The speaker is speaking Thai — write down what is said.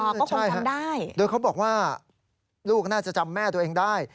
ก็คงทำได้โดยเขาบอกว่าลูกน่าจะจำแม่ตัวเองได้